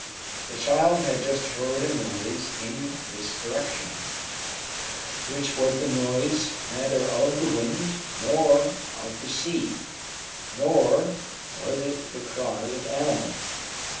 The child had just heard a noise in this direction, which was the noise neither of the wind nor of the sea, nor was it the cry of animals.